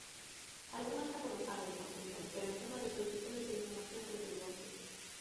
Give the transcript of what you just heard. Algunhas xa comezaron, apuntan, pero en forma de solicitudes de información sobre o divorcio.